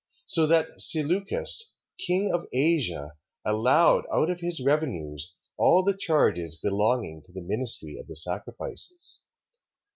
So that Seleucus, king of Asia, allowed out of his revenues all the charges belonging to the ministry of the sacrifices.